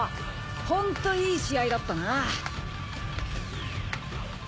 ホントいい試合だったな。